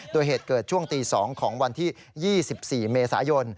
โดยเหตุเกิดช่วงตี๒ของวันที่๒๔เมษายน